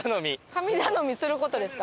神頼みする事ですか？